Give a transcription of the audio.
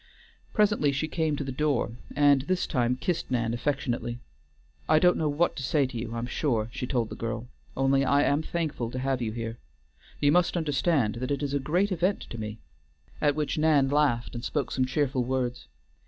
Presently she came to the door, and this time kissed Nan affectionately. "I don't know what to say to you, I am sure," she told the girl, "only I am thankful to have you here. You must understand that it is a great event to me;" at which Nan laughed and spoke some cheerful words.